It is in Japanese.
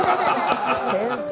天才。